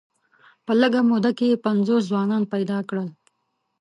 په لږه موده کې یې پنځوس ځوانان پیدا کړل.